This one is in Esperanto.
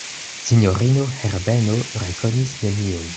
Sinjorino Herbeno rekonis neniun.